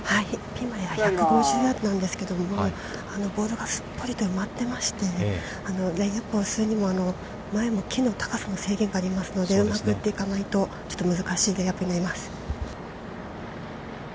ピンまでは１５０ヤードなんですけど、すっぽりと埋まっていまして、レイアップをするにも前の木の高さの制限があるのでうまく打っていかないと難しいと思います。